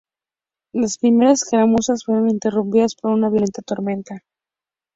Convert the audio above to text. Las primeras escaramuzas fueron interrumpidas por una violenta tormenta.